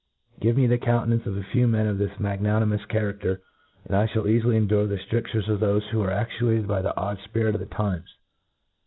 Give me the countenance of a few men of this mag nanimous charafter, and I fliall eafily endure the ftridures of thofe who are aOiuated by the odd fpirit of the times.